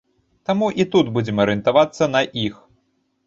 Таму і тут будзем арыентавацца на іх.